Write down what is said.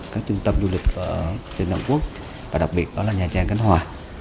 các trung tâm du lịch ở tây nội quốc và đặc biệt đó là nhà trang khánh hòa